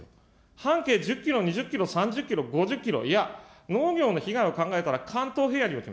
半径１０キロ、２０キロ、３０キロ、５０キロ、いや、農業の被害を考えたら、関東平野より。